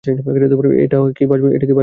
এটা বাছবিচারের সময়?